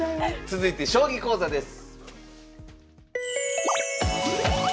続いて将棋講座です。